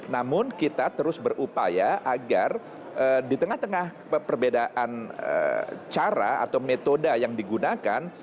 namun kita terus berupaya agar di tengah tengah perbedaan cara atau metode yang digunakan